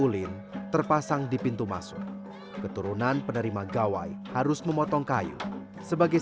ritual pasiap ini dilakukan guna menghormati tamu dan memastikan tidak ada satupun tamu yang merasa lapar di betang sawe